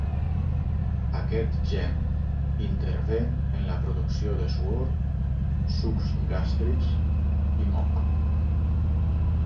Aquest gen intervé en la producció de suor, sucs gàstrics, i moc.